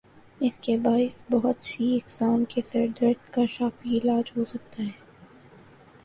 اسکے باعث بہت سی اقسام کے سر درد کا شافی علاج ہو سکتا ہے